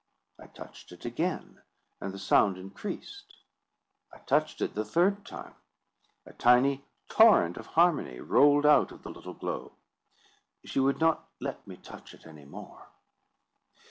I touched it again, and the sound increased. I touched it the third time: a tiny torrent of harmony rolled out of the little globe. She would not let me touch it any more.